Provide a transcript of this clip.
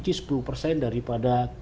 bisa kita pasang dalam waktu dekat